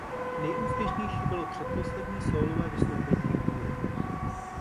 Nejúspěšnější bylo předposlední sólové vystoupení Kůry.